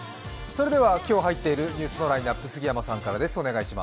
それでは今日入っているニュースのラインナップ、杉山さんからです